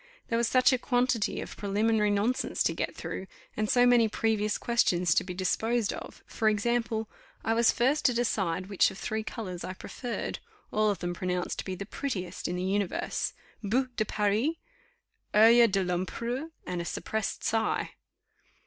There was such a quantity of preliminary nonsense to get through, and so many previous questions to be disposed of: for example, I was first to decide which of three colours I preferred, all of them pronounced to be the prettiest in, the universe, boue de Paris, oeil de l'empereur, and a suppressed sigh.